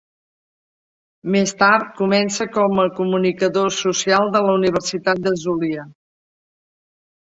Més tard comença com a comunicador social de la Universitat del Zulia.